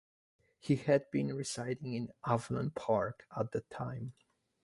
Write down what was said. He had been residing in Avalon Park at the time.